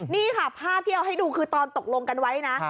นี่ค่ะภาพที่เอาให้ดูคือตอนตกลงกันไว้นะ